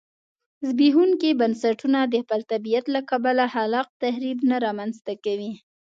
زبېښونکي بنسټونه د خپل طبیعت له کبله خلاق تخریب نه رامنځته کوي